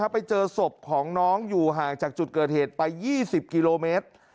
ไปเจอศพของน้องอยู่ห่างจากจุดเกิดเหตุไป๒๐กิโลเมตร